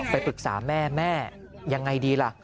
ไปปรึกษาแม่แม่ยังไงดีล่ะ